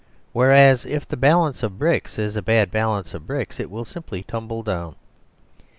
Whereas if his balance of bricks is a bad balance of bricks, it will simply tumble down.